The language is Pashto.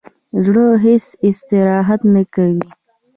زړه هیڅ استراحت نه کوي